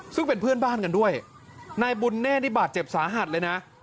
ซึ่งเป็นเพื่อนบ้านกันด้วยนายบุญเนธนี่บาดเจ็บสาหัสเลยนะ